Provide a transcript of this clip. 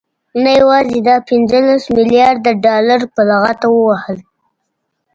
نه يوازې دا پنځلس مليارده ډالر په لغته ووهل،